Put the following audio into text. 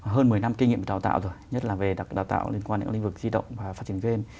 hơn một mươi năm kinh nghiệm đào tạo rồi nhất là về đào tạo liên quan đến lĩnh vực di động và phát triển game